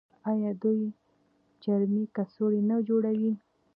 آیا دوی چرمي کڅوړې نه جوړوي؟